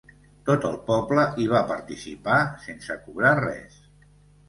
Tot el poble hi va participar sense cobrar res.